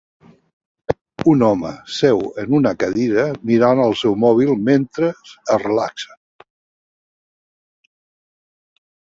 Un home seu en una cadira, mirant el seu mòbil mentre es relaxa.